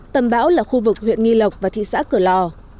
tầm bão là khu vực huyện nghi lộc và thị xã cửa lò